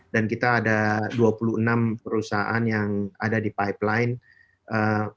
dan kita ada dua puluh enam perusahaan yang ada di pipeline